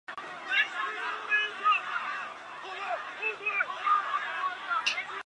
你要怎么知道